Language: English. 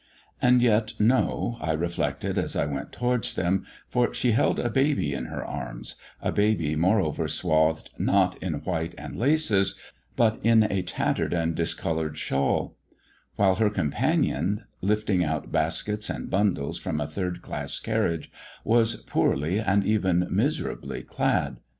And yet no, I reflected as I went towards them, for she held a baby in her arms a baby moreover swathed, not in white and laces, but in a tattered and discoloured shawl: while her companion, lifting out baskets and bundles from a third class carriage, was poorly and evenly miserably clad.